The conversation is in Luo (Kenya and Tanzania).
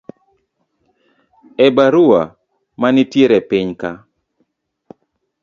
e barua manitiere pinyka